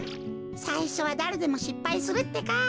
さいしょはだれでもしっぱいするってか。